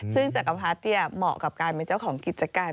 ซึ่งจักรพรรดิเหมาะกับการเป็นเจ้าของกิจการ